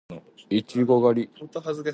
いちご狩り